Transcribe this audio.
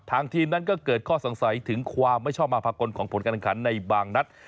ทีมนั้นก็เกิดข้อสงสัยถึงความไม่ชอบมาภากลของผลการแข่งขันในบางนัด